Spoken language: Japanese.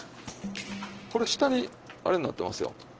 これ下にあれになってますよ。